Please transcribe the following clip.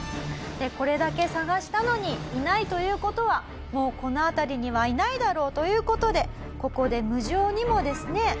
これだけ捜したのにいないという事はもうこの辺りにはいないだろうという事でここで無情にもですね